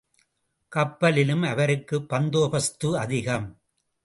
கப்பலிலும் அவருக்குப் பந்தோபஸ்து அதிகம்.